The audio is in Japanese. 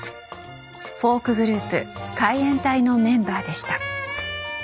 フォークグループ海援隊のメンバーでした。